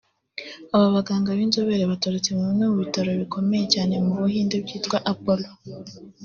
Aba baganga b’inzobere baturutse muri bimwe mu bitaro bikomeye cyane mu Buhinde byitwa Apolo